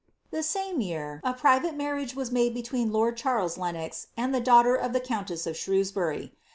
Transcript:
The same year, a piivate marriage was made between lord Charles iieooz and the daughter of the countess of Shrewsbury.